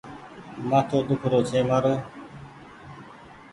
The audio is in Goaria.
مآٿو ۮيک رو ڇي مآرو ۔